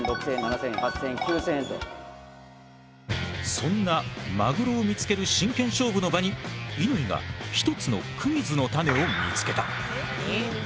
そんなマグロを見つける真剣勝負の場に乾が一つのクイズのタネを見つけた。